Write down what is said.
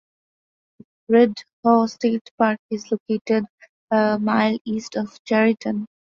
Red Haw State Park is located a mile east of Chariton.